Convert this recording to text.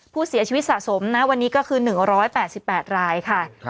ผู้เสียชีวิตสะสมนะวันนี้ก็คือ๑๘๘รายค่ะ